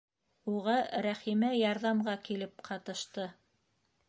Уға Рәхимә ярҙамға килеп ҡатышты.